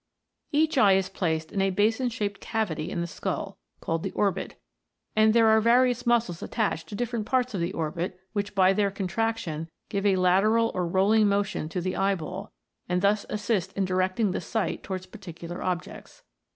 Each eye is placed in a basin shaped cavity in the skull, called the orbit, and there are various muscles attached to different parts of the orbit, which by their contraction give a lateral or rolling motion to the eyeball, and thus assist in directing the sight towards particular objects.